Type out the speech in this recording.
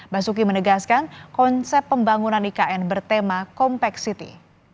basuki menegaskan konsep pembangunan ikn bertema kompleksiti